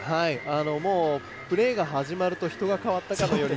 もうプレーが始まると人が変わったかのように。